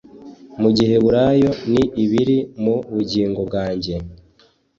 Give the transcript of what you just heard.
Mu giheburayo ni ibiri mu bugingo bwanjye